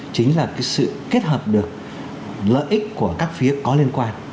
chính là cái sự kết hợp được lợi ích của các phía có liên quan